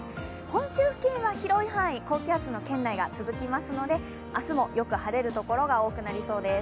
本州付近は広い範囲、高気圧の圏内が続きますので明日もよく晴れるところが多くなりそうです。